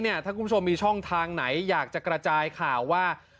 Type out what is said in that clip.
ถ้าคุณผู้ชมมีช่องทางไหนอยากจะกระจายข่าวว่า